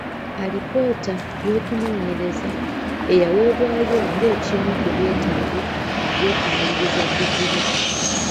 Alipoota y’okunoonyereza eyaweebwayo ng’ekimu ku byetaago by’okumaliriza ddiguli.